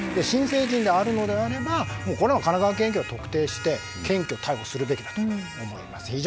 新成人であるのであればもうこれは神奈川県警が特定して検挙、逮捕するべきだと思います。